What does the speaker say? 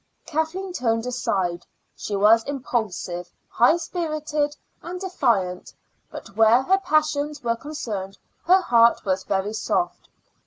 Kathleen turned aside. She was impulsive, high spirited, and defiant, but where her passions were concerned her heart was very soft.